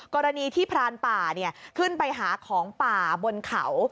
กรณีที่พรานป่าขึ้นไปหาของป่าบนเขา